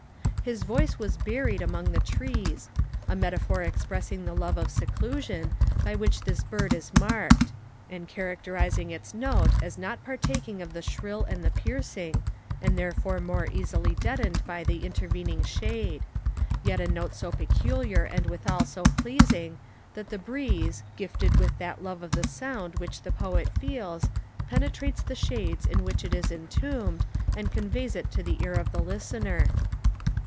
'His voice was buried among trees,' a metaphor expressing the love of seclusion by which this Bird is marked; and characterizing its note as not partaking of the shrill and the piercing, and therefore more easily deadened by the intervening shade; yet a note so peculiar and withal so pleasing, that the breeze, gifted with that love of the sound which the Poet feels, penetrates the shades in which it is entombed, and conveys it to the ear of the listener.